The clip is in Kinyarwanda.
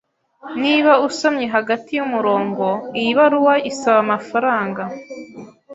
Niba usomye hagati yumurongo, iyi baruwa isaba amafaranga.